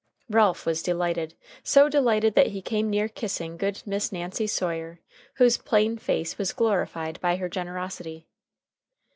Ralph was delighted, so delighted that he came near kissing good Miss Nancy Sawyer, whose plain face was glorified by her generosity.